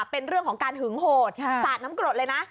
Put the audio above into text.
เป็นเรื่องของการหึงโหดสาดน้ำกรดเลยนะ